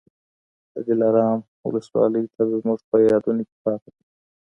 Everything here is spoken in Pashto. د دلارام ولسوالي تل زموږ په یادونو کي پاتې ده.